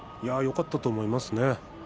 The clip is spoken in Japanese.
よかったと思いますね。